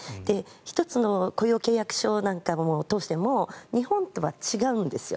１つの雇用契約書なんかを通しても日本とは違うんですよ。